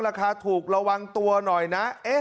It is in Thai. ราคาถูกระวังตัวหน่อยนะ